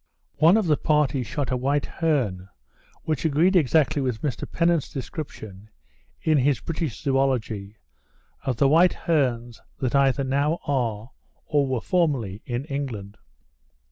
One of the party shot a white hern, which agreed exactly with Mr Pennant's description, in his British Zoology, of the white herns that either now are, or were formerly, in England.